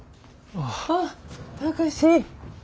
ああ貴司。